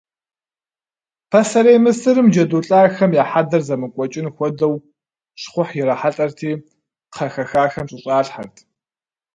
Пасэрей Мысырым джэду лӏахэм я хьэдэр зэмыкӏуэкӏын хуэдэу щхъухь ирахьэлӏэрти кхъэ хэхахэм щыщӏалъхэрт.